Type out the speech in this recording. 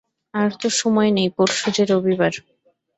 আর তো সময় নেই– পরশু যে রবিবার।